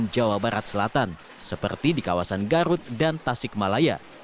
jawa barat selatan seperti di kawasan garut dan tasikmalaya